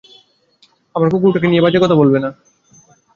আমার কুকুরটাকে নিয়ে বাজে কথা বলবে না।